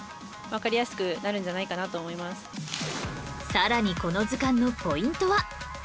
さらにこの図鑑のポイントは